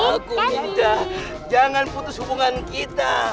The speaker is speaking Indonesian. aku minta jangan putus hubungan kita